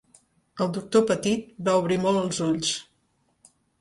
El doctor Petit va obrir molt els ulls.